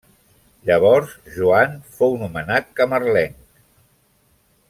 Llavors Joan fou nomenat camarlenc.